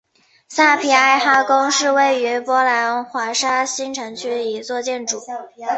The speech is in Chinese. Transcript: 萨皮埃哈宫是位于波兰华沙新城区的一座建筑。